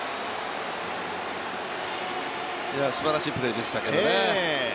いや、すばらしいプレーでしたけどね。